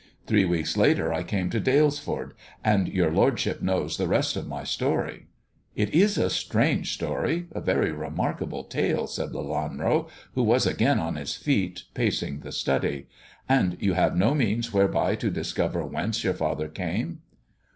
Three weeks later I came to Dalesford, and yom: lordship knows the rest of my story." It is a strange story — a very remarkable tale," said Lelanro, who was again on his feet, pacing the study. And you have no means whereby to discover whence your father came?"